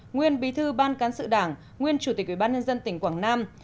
nguyên bí thư ban cán sự đảng nguyên chủ tịch ubnd tỉnh quảng nam